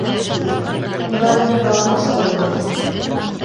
Ҡулдарығыҙҙы алмаштырығыҙ.